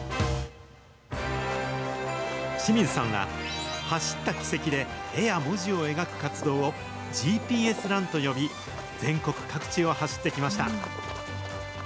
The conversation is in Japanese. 志水さんは、走った軌跡で絵や文字を描く活動をＧＰＳランと呼び、全国各地を走ってきました。